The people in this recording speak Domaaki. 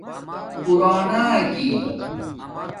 پُراناکی